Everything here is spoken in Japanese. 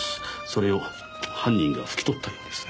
それを犯人が拭き取ったようです。